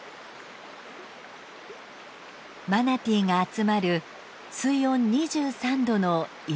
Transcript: マナティーが集まる水温２３度の泉の湧き出し口。